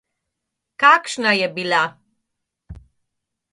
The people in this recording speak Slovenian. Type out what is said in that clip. Kakšna je bila?